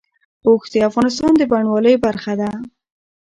اوښ د افغانستان د بڼوالۍ برخه ده.